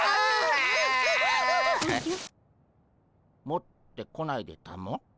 持ってこないでたも？